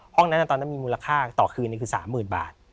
ห้องนั้นตอนนั้นมีมูลค่าต่อคืนคือ๓๐๐๐บาท